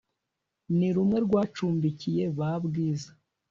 nirumwe rwacumbikiye ba bwiza